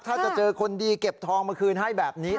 ถ้าจะเจอคนดีเก็บทองมาคืนให้แบบนี้